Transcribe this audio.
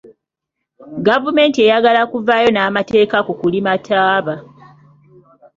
Gavumenti eyagala kuvaayo n'amateeka ku kulima ttaaba.